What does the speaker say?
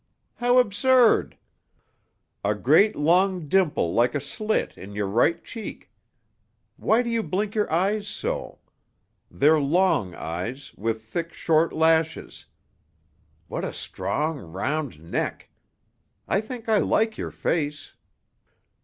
How absurd! A great, long dimple like a slit in your right cheek. Why do you blink your eyes so? They're long eyes, with thick, short lashes. What a strong, round neck! I think I like your face."